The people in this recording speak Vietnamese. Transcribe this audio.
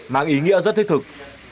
mang ý nghĩa rất thích thực